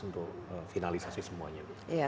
untuk finalisasi semuanya